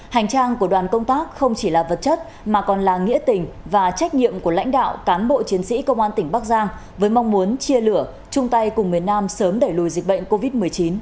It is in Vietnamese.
hành trang của đoàn công tác không chỉ là vật chất mà còn là nghĩa tình và trách nhiệm của lãnh đạo cán bộ chiến sĩ công an tỉnh bắc giang với mong muốn chia lửa chung tay cùng miền nam sớm đẩy lùi dịch bệnh covid một mươi chín